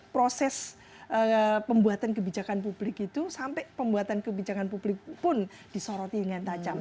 proses pembuatan kebijakan publik itu sampai pembuatan kebijakan publik pun disoroti dengan tajam